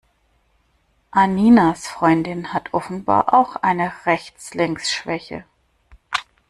Anninas Freundin hat offenbar auch eine Rechts-links-Schwäche.